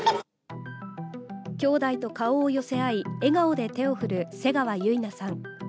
きょうだいと顔を寄せ合い、笑顔で手を振る瀬川結菜さん。